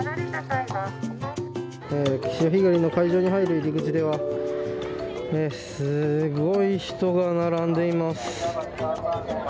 潮干狩りの会場に入る入り口ではすごい人が並んでいます。